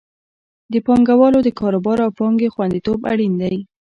د پانګوالو د کاروبار او پانګې خوندیتوب اړین دی.